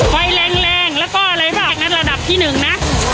ไฟแรงแรงแล้วก็อะไรบ้างจากนั้นระดับที่หนึ่งนะ